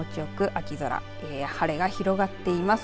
青空が広がっています。